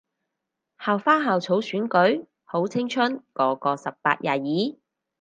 校花校草選舉？好青春個個十八廿二